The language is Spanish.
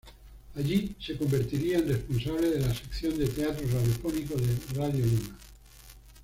Allí, se convertiría en responsable de la sección de teatro radiofónico de Radio Lima.